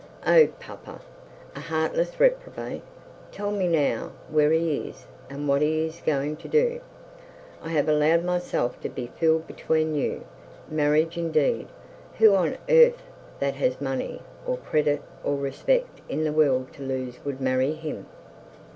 'Oh, papa!' 'A heartless reprobate! Tell me now where he is, and what he is going to do. I have allowed myself to be fooled between you. Marriage indeed! Who on earth that has money, or credit, or respect in the world to lose, would marry him?'